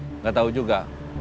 enggak tahu juga